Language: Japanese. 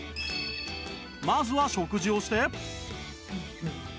まずは食事をして